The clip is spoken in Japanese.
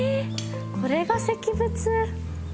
これが石仏。